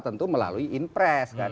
tentu melalui inpres kan